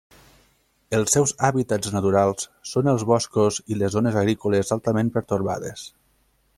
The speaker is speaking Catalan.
Els seus hàbitats naturals són els boscos i les zones agrícoles altament pertorbades.